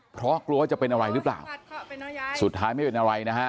เพราะกลัวว่าจะเป็นอะไรหรือเปล่าสุดท้ายไม่เป็นอะไรนะฮะ